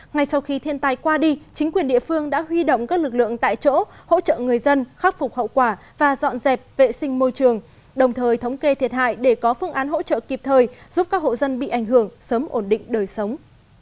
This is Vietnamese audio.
ngay sau khi thiên tai qua đi chính quyền địa phương đã huy động các lực lượng tại chỗ hỗ trợ người dân khắc phục hậu quả và dọn dẹp vệ sinh môi trường đồng thời thống kê thiệt hại để có phương án hỗ trợ kịp thời giúp các hộ dân bị ảnh hưởng sớm ổn định đời sống